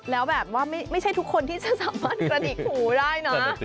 แล้วแบบว่าไม่ใช่ทุกคนที่จะสามารถกระดิกหูได้นะ